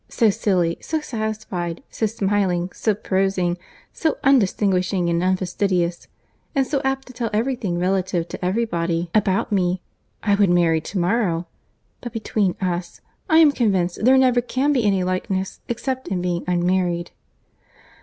so silly—so satisfied—so smiling—so prosing—so undistinguishing and unfastidious—and so apt to tell every thing relative to every body about me, I would marry to morrow. But between us, I am convinced there never can be any likeness, except in being unmarried."